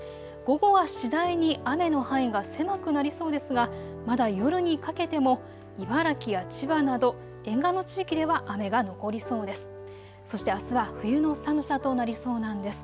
午後は次第に雨の範囲が狭くなりそうですが、まだ夜にかけても茨城や千葉など沿岸の地域では雨が残りそうです。